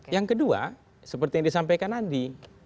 yang kedua seperti yang disampaikan andi